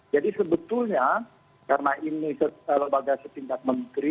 jadi sebetulnya karena ini sebagai setingkat menteri